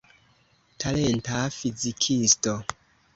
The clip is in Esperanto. Talenta fizikisto.